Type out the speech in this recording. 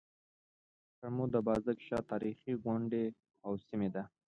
کرمو د بازک شاه تاريخي غونډۍ او سيمه ده.